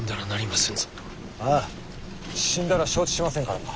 死んだら承知しませんからな！